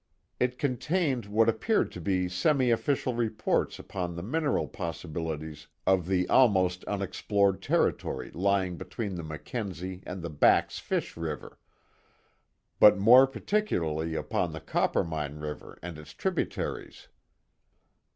It contained what appeared to be semi official reports upon the mineral possibilities of the almost unexplored territory lying between the Mackenzie and Back's Fish River, but more particularly upon the Coppermine River and its tributaries.